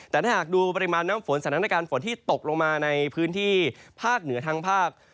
แต่ถ้าหากดูปริมาณน้ำฝนสถานการณ์ฝนที่ตกลงมาในพื้นที่ภาคเหนือทั้งภาค